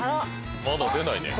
まだ出ないね。